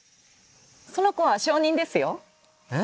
その子は小人ですよ。え？